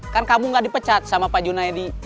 kan kamu gak dipecat sama pak junaidi